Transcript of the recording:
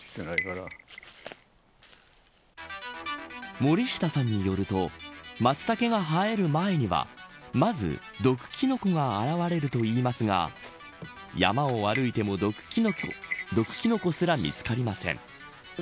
森下さんによるとマツタケが生える前にはまず、毒キノコが現れるといいますが山を歩いても毒キノコすら見つかりません。